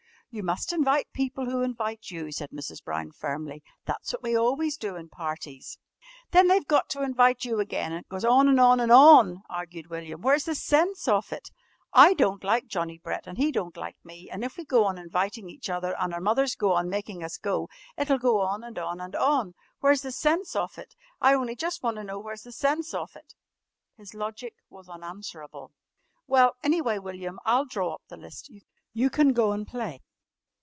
"You must invite people who invite you," said Mrs. Brown firmly, "that's what we always do in parties." "Then they've got to invite you again and it goes on and on and on," argued William. "Where's the sense of it? I don't like Johnnie Brent an' he don't like me, an' if we go on inviting each other an' our mothers go on making us go, it'll go on and on and on. Where's the sense of it? I only jus' want to know where's the sense of it?" His logic was unanswerable. "Well, anyway, William, I'll draw up the list. You can go and play."